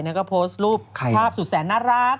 ก็โพสต์รูปภาพสุดแสนน่ารัก